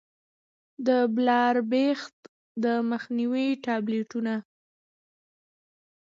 د بلاربښت د مخنيوي ټابليټونه